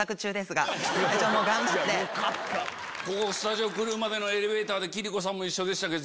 ここスタジオ来るまでのエレベーターで貴理子さんも一緒でしたけど。